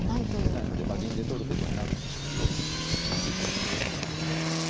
取れないので銀で取ることになるんですけど。